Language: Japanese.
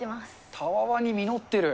たわわに実ってる。